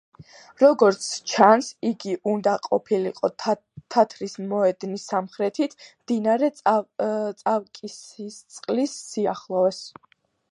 როგორც ჩანს, იგი უნდა ყოფილიყო თათრის მოედნის სამხრეთით, მდინარე წავკისისწყლის სიახლოვეს.